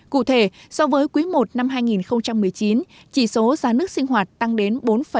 cụ thể so với quý i năm hai nghìn một mươi chín chỉ số giá nước sinh hoạt tăng đến bốn năm